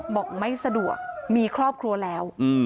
บอกไม่สะดวกมีครอบครัวแล้ว